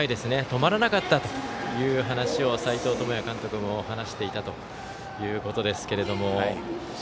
止まらなかったという話を斎藤智也監督も話していたということですけども。